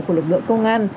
của lực lượng công an